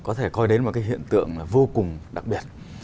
có thể coi đến một cái hiện tượng vô cùng đặc biệt